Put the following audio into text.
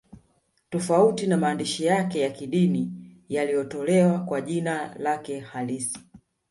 Tofauti na maandishi yake ya kidini yaliyotolewa kwa jina lake halisi